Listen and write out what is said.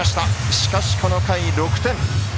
しかしこの回６点。